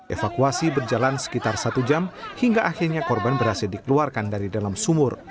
evakuasi berjalan sekitar satu jam hingga akhirnya korban berhasil dikeluarkan dari dalam sumur